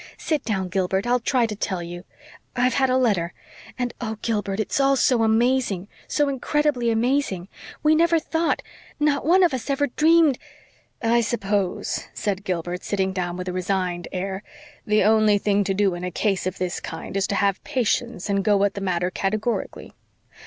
"Sit down, Gilbert. I'll try to tell you. I've had a letter, and oh, Gilbert, it's all so amazing so incredibly amazing we never thought not one of us ever dreamed " "I suppose," said Gilbert, sitting down with a resigned air, "the only thing to do in a case of this kind is to have patience and go at the matter categorically.